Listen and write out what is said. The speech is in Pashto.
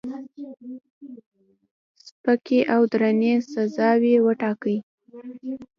سپکې او درنې سزاوي وټاکي.